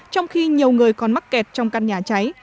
trong khi nhiều người còn mắc kẹt trong căn nhà cháy